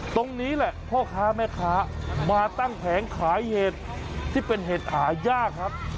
ตรงนี้แหละพ่อค้าแม่ค้ามาตั้งแผงขายเห็ดที่เป็นเห็ดหายากครับ